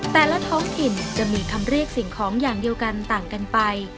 แต่ละท้องถิ่นจะมีคำเรียกสิ่งของอย่างเดียวกันต่างกันไป